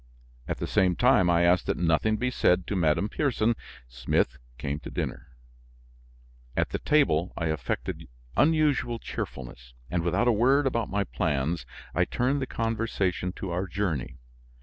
At the same time I asked that nothing be said to Madame Pierson. Smith came to dinner; at the table I affected unusual cheerfulness, and without a word about my plans, I turned the conversation to our journey.